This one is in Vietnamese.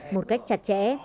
một cách chặt chẽ